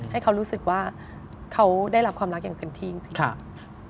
ให้เขารู้สึกว่าเขาได้รับความรักอย่างเต็มที่จริง